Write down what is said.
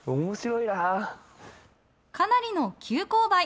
かなりの急勾配。